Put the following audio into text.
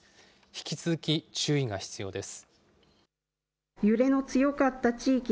引き続き、注意が必要です。